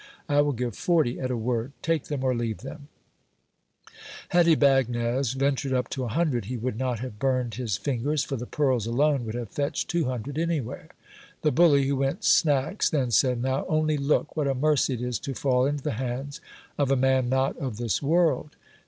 I will give forty at a word ; take them or leave them ! Had Ybagnez ventured up to a hundred, he would not have burned his fingers ; for the pearls alone would have fetched two hundred anywhere. The bully, who went snacks, then said — Now only look ! what a mercy it is, to fall into the hands of a man not of this world.